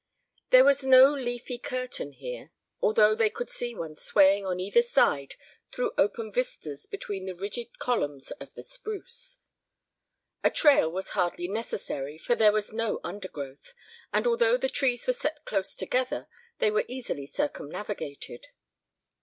There was no leafy curtain here, although they could see one swaying on either side through open vistas between the rigid columns of the spruce. A trail was hardly necessary for there was no undergrowth, and although the trees were set close together they were easily circumnavigated.